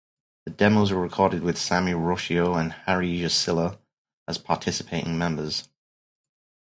The demos were recorded with Sami Rautio and Harri Jussila as participating members.